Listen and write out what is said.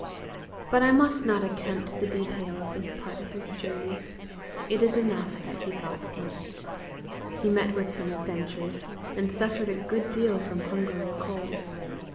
But I must not attempt the detail of this part of his journey. It is enough that he got through it. He met with some adventures, and suffered a good deal from hunger and cold.